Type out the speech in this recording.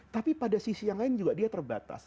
tapi pada sisi yang lain juga dia terbatas